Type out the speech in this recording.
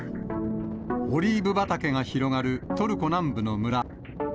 オリーブ畑が広がるトルコ南部の村。